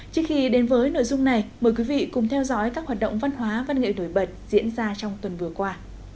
trước khi đến với nội dung này mời quý vị cùng theo dõi các hoạt động văn hóa văn nghệ nổi bật diễn ra trong tuần vừa qua